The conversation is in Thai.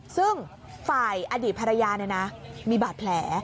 ซึ่งฝ่ายอดีตภรรยาเนี่ยนะมีบาดแผล